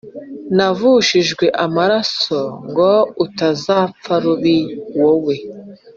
Navushijwe amaraso ngo utazpfa rubi wowe